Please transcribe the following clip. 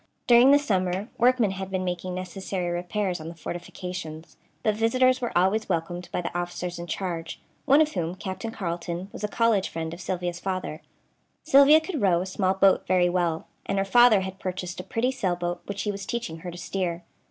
During the summer workmen had been making necessary repairs on the fortifications; but visitors were always welcomed by the officers in charge, one of whom, Captain Carleton, was a college friend of Sylvia's father. Sylvia could row a small boat very well, and her father had purchased a pretty sailboat which he was teaching her to steer.